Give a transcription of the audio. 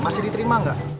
masih diterima gak